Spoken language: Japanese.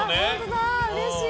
うれしい！